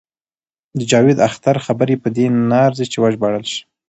د جاوید اختر خبرې په دې نه ارزي چې وژباړل شي.